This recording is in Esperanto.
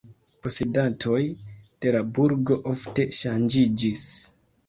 Posedantoj de la burgo ofte ŝanĝiĝis.